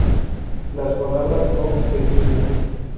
Las palabras no declinan.